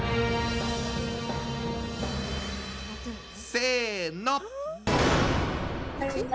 せの。